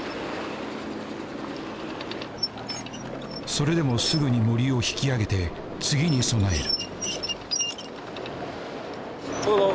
それでもすぐにもりを引きあげて次に備える。